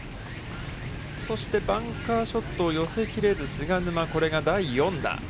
バンカーショットを寄せ切れず、菅沼、これが第４打。